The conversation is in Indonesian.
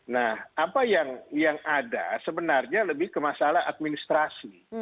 nah apa yang ada sebenarnya lebih ke masalah administrasi